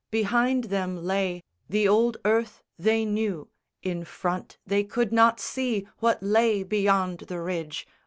Behind them lay The old earth they knew. In front they could not see What lay beyond the ridge.